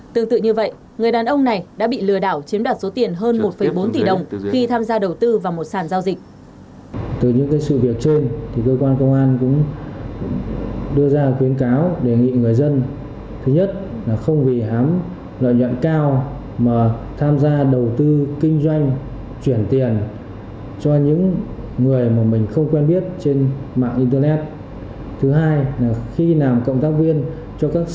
tương tự như vậy người đàn ông này đã bị lừa đảo chiếm đoạt số tiền hơn một bốn tỷ đồng khi tham gia đầu tư vào một sàn giao dịch